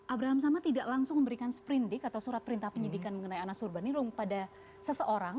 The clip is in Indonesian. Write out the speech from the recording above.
abraham samad tidak langsung memberikan sprindik atau surat perintah penyidikan mengenai anas urbaningrum pada seseorang